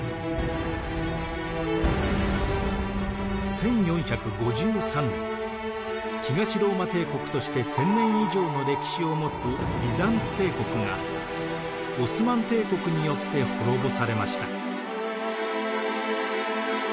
１４５３年東ローマ帝国として１，０００年以上の歴史を持つビザンツ帝国がオスマン帝国によって滅ぼされました。